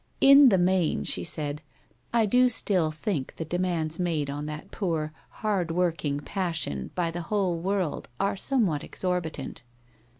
' In the main,' she said, ' I do still think the demands made on that poor, hard worked passion by the whole world are somewhat exorbitant.